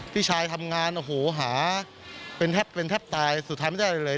พี่ชายทำงานโอ้โหหาเป็นแทบเป็นแทบตายสุดท้ายไม่ได้อะไรเลย